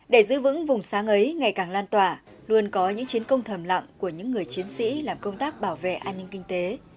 để giữ vững vùng sáng ấy ngày càng lan tỏa luôn có những chiến công thầm lặng của những người chiến sĩ làm công tác bảo vệ an ninh kinh tế